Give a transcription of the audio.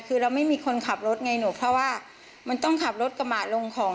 คือเราไม่มีคนขับรถไงหนูเพราะว่ามันต้องขับรถกระบะลงของ